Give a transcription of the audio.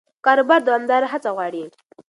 کاروبار دوامداره هڅه غواړي.